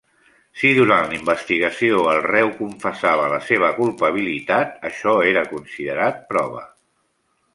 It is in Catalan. Si durant la investigació el reu confessava la seva culpabilitat, això era considerat prova.